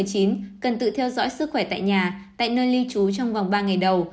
cần tự theo dõi sức khỏe tại nhà tại nơi lưu trú trong vòng ba ngày đầu